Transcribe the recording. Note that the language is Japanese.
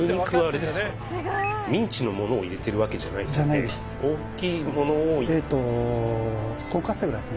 ミンチのものを入れてるわけじゃないですよねじゃないです